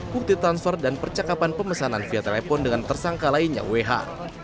bukti transfer dan percakapan pemesanan via telepon dengan tersangka lainnya who